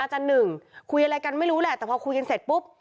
หนึ่งคุยอะไรกันไม่รู้แหละแต่พอคุยกันเสร็จปุ๊บ